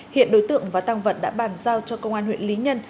hiện đối tượng và tăng vật đã bàn giao cho công an huyện lý nhân